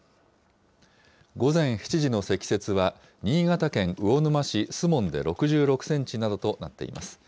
午前７時の積雪は、新潟県魚沼市守門で６６センチなどとなっています。